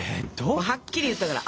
もうはっきり言ったから。